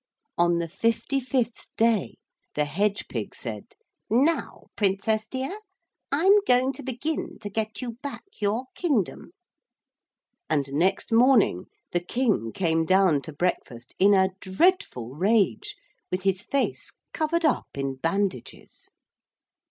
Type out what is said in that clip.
On the fifty fifth day the hedge pig said, 'Now, Princess dear, I'm going to begin to get you back your kingdom.' And next morning the King came down to breakfast in a dreadful rage with his face covered up in bandages.